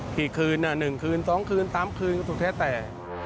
กี่คืน๑คืน๒คืน๓คืนก็สุดแท้แต่